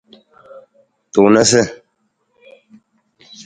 Tunasa.